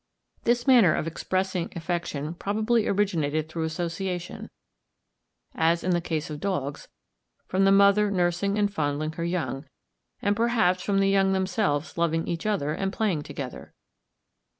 This manner of expressing affection probably originated through association, as in the case of dogs, from the mother nursing and fondling her young; and perhaps from the young themselves loving each other and playing together.